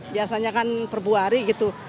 biasanya kan perbuari gitu